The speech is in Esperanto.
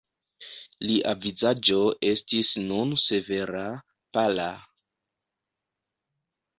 Lia vizaĝo estis nun severa, pala.